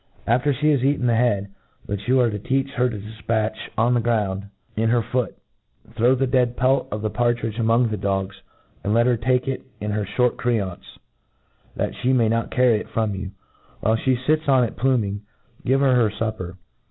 After flie has eaten the head, "phich you are to teach her to difpatch on the groun^ MODERN FAULCONRt. 2^^ ground in her foot, throw the dead pelt of the partridge among the dogs, and let her take it in her Ihort creance, that ihe may not carry it firomr you. While ihe fits on it pluming, give her her fupper.